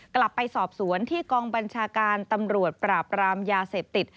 กลับไปสอบสวนที่กองบัญชาการตำรวจปราบรามยาเสพติด